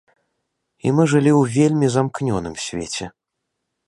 І мы жылі ў вельмі замкнёным свеце.